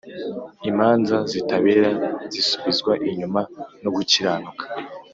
Imanza zitabera zisubizwa inyuma no gukiranuka